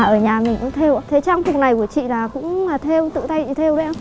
ở nhà mình cũng theo ạ thế trang phục này của chị là cũng là theo tự tay thì theo đấy ạ